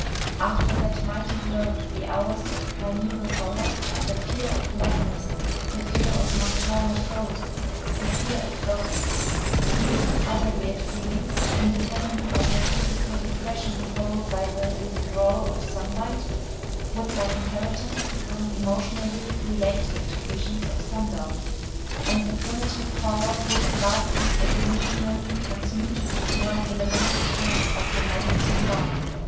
After that mighty glow, the hours of primeval horror, the fear of blackness, the fear of nocturnal foes, the fear of ghosts. These, and other weird feelings, independently of the physical depression following the withdrawal of sunlight, would by inheritance become emotionally related to visions of sundown; and the primitive horror would at last be evolutionally transmuted to one elemental tone of the modern sublime.